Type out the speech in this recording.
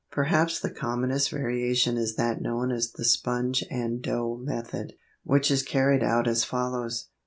Perhaps the commonest variation is that known as the sponge and dough method, which is carried out as follows.